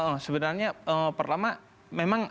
oh sebenarnya pertama